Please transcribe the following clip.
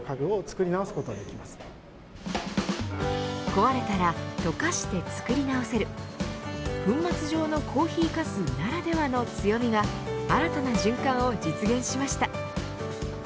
壊れたら、溶かして作り直せる粉末状のコーヒーかすならではの強みが新たな循環を実現しました。